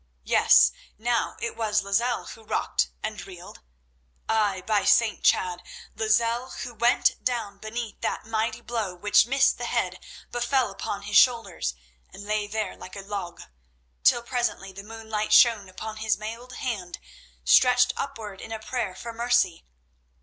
Yes, now it was Lozelle who rocked and reeled. Ay, by St. Chad! Lozelle who went down beneath that mighty blow which missed the head but fell upon his shoulder, and lay there like a log, till presently the moonlight shone upon his mailed hand stretched upward in a prayer for mercy.